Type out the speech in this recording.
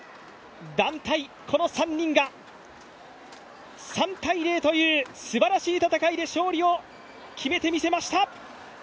団体、この３人が３−０というすばらしい戦いで勝利を決めてみせました。